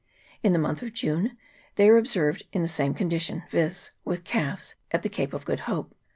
In the month of June they are ob served in the same condition, viz. with calves, at the Cape of Good Hope.